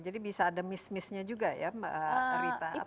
jadi bisa ada miss miss nya juga ya mbak rita